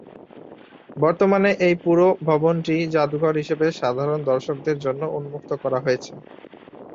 বর্তমানে এই পুরো ভবনটি জাদুঘর হিসেবে সাধারণ দর্শকদের জন্যে উন্মুক্ত করা হয়েছে।